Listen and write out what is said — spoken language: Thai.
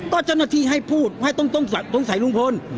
ก็เจ้าหน้าที่ให้พูดให้ต้องสงสัยลุงพล